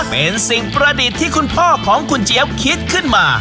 เป็นสิ่งประดิษฐ์ที่คุณพ่อของคุณเจี๊ยบคิดขึ้นมา